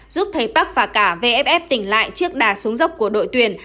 giúp thầy park và cả vff tỉnh lại chiếc đà xuống dốc của đội tuyển